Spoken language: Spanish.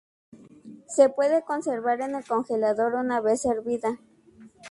Se puede conservar en el congelador una vez hervida.